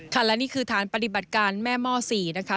ค่ะและนี่คือฐานปฏิบัติการแม่หม้อ๔นะคะ